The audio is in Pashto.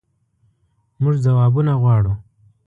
مونږ ځوابونه غواړو